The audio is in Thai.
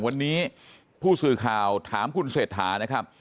วันนี้ผู้สื่อข่าวถามคุณเศรษฐานะครับ